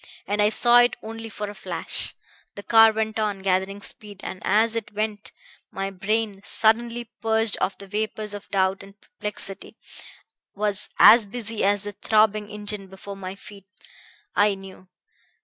And I saw it only for a flash. The car went on, gathering speed, and as it went, my brain, suddenly purged of the vapors of doubt and perplexity, was as busy as the throbbing engine before my feet. I knew.